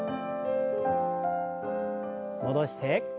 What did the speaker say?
戻して。